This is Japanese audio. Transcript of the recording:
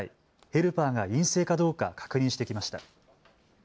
ヘルパーが陰性かどうか確認してきました。